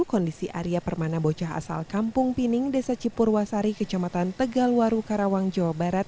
kondisi arya permana bocah asal kampung pining desa cipurwasari kecamatan tegalwaru karawang jawa barat